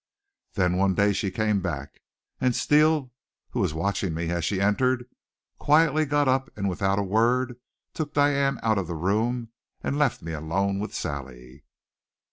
Then, one day she came back, and Steele, who was watching me as she entered, quietly got up and without a word took Diane out of the room and left me alone with Sally.